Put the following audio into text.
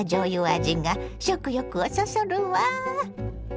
味が食欲をそそるわ。